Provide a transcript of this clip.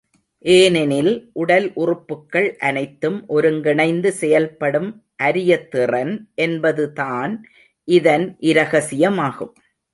ஏனெனில், உடல் உறுப்புக்கள் அனைத்தும் ஒருங்கிணைந்து செயல்படும் அரிய திறன் என்பதுதான் இதன் இரகசியமாகும்.